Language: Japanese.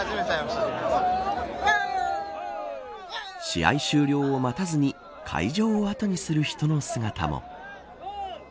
試合終了を待たずに会場を後にする人の姿も。